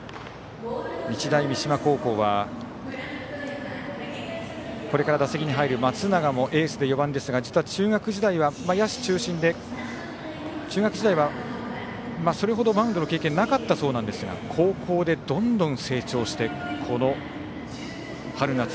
日大三島高校はこれから打席に入る松永もエースで４番ですが実は中学時代は野手中心でそれほどマウンドの経験がなかったそうですが高校でどんどん成長してこの春夏